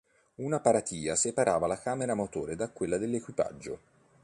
Una paratia separava la camera motore da quella dell'equipaggio.